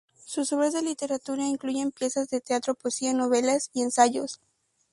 Su obras de literatura incluyen piezas de teatro, poesía, novelas y ensayos.